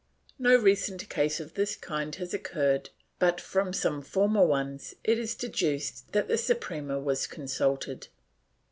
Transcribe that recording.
No recent case of this kind has occurred but, from some former ones, it is deduced that the Suprema was consulted.